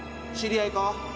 知り合いか？